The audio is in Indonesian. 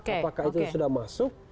apakah itu sudah masuk